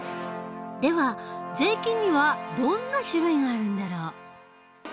では税金にはどんな種類があるんだろう？